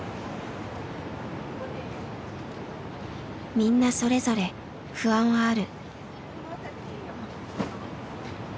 みんなそれぞれ不安はある。